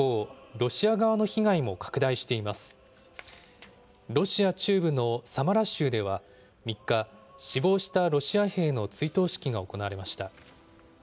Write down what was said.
ロシア中部のサマラ州では、３日、死亡したロシア兵の追悼式が行われました。